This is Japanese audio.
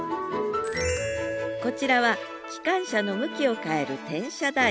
こちらは機関車の向きを変える転車台。